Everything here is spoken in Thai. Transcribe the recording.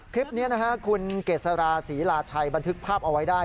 คลิปนี้นะฮะคุณเกษราศรีลาชัยบันทึกภาพเอาไว้ได้